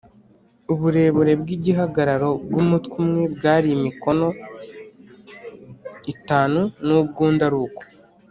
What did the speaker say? Uburebure bw’igihagararo bw’umutwe umwe bwari mikono itanu, n’ubw’undi ari uko